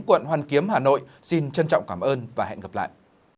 quận hoàn kiếm hà nội xin trân trọng cảm ơn và hẹn gặp lại